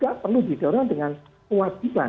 juga perlu didorong dengan kewajiban